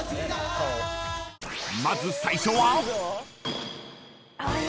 ［まず最初は？］